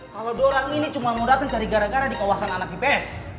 kalau dorong ini cuma mau dateng cari gara gara di kawasan anak ips